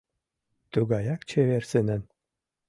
Тугаяк чевер сынан.